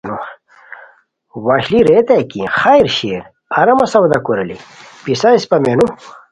وشلی ریتائے کی خیر شیر آرامہ سودا کوریلیک پِسہ اِسپہ مینو